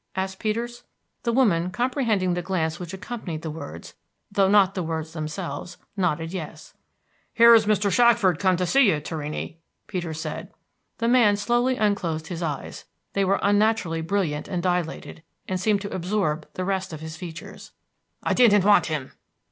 asked Peters. The woman, comprehending the glance which accompanied the words, though not the words themselves, nodded yes. "Here is Mr. Shackford come to see you, Torrini," Peters said. The man slowly unclosed his eyes; they were unnaturally brilliant and dilated, and seemed to absorb the rest of his features. "I didn't want him."